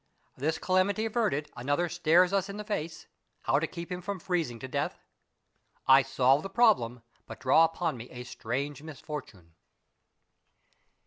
— THIS CALAMITY AVERTED, ANOTHER STARES US IN THE FACE : HOW TO KEEP HIM FROM FREEZING TO DEATH. — I SOLVE THE PROBLEM, BUT DRAW UPON ME A STRANGE MISFORTUNE.